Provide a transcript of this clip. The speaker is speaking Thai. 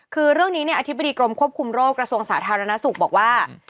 คือเรื่องนี้เนี่ยอธิบดีกรมควบคุมโรคกระทรวงสาธารณสุขบอกว่า